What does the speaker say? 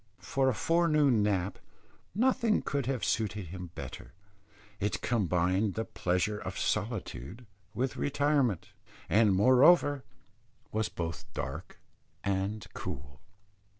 For a forenoon nap nothing could have suited him better; it combined the pleasures of solitude with retirement, and moreover was both dark and cool.